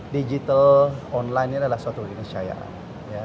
digital online ini adalah suatu organisasi cahaya